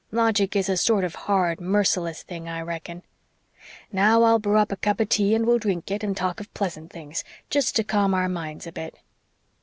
Logic is a sort of hard, merciless thing, I reckon. Now, I'll brew a cup of tea and we'll drink it and talk of pleasant things, jest to calm our minds a bit."